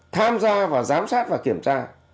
tham gia và giám sát và kiểm tra